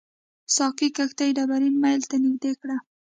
ساقي کښتۍ ډبرین میل ته نږدې کړه.